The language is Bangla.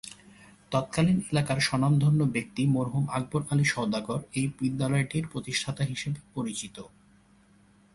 তৎকালীন এলাকার স্বনামধন্য ব্যক্তি মরহুম আকবর আলী সওদাগর এই বিদ্যালয়টির প্রতিষ্ঠাতা হিসেবে পরিচিত।